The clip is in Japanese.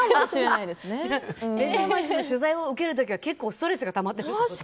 「めざまし」の取材を受ける時結構、ストレスがたまってるってこと？